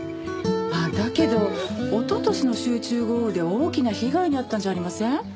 あっだけどおととしの集中豪雨で大きな被害に遭ったんじゃありません？